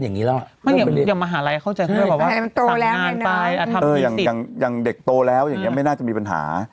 อย่างเด็กโตแล้วไม่น่าจะมีปัญหา